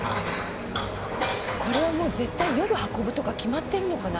これはもう絶対夜運ぶとか決まってるのかな？